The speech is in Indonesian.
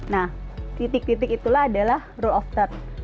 nah titik titik itulah adalah rule of third